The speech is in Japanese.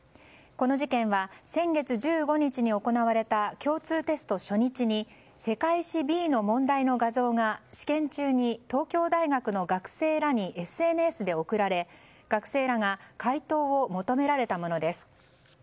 この事件は先月１５日に行われた共通テスト初日に世界史Ｂの問題の画像が試験中に東京大学の学生らにＳＮＳで送られ、学生らが解答を求められたものです。